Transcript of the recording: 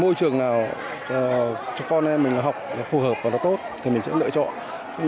môi trường nào cho con em mình học phù hợp và nó tốt thì mình sẽ lựa chọn